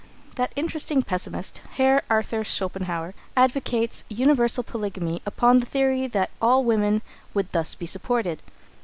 That interesting pessimist, Herr Arthur Schopenhauer, advocates universal polygamy upon the theory that all women would thus be supported.